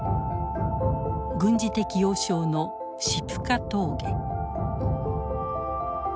軍事的要衝のシプカ峠。